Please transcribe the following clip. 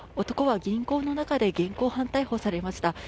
男は銀行の中で現行犯逮捕されました。